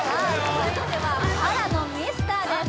続いてはＫＡＲＡの「ミスター」です